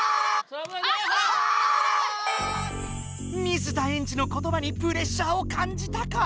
水田エンジのことばにプレッシャーをかんじたか